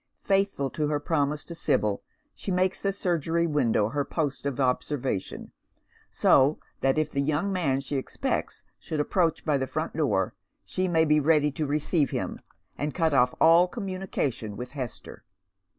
Faithful to her promise to Sibyl, she makes the surgery window her post of observation, so that if the young man she expects should approach by the front door she may be ready to receive him, and cut off all communication with Hester.